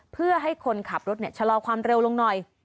เพื่อให้คนขับรถชะลอความเร็วลงหน่อย